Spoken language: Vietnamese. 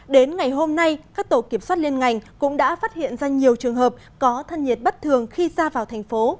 đến ngày hôm nay các tổ kiểm soát liên ngành cũng đã phát hiện ra nhiều trường hợp có thân nhiệt bất thường khi ra vào thành phố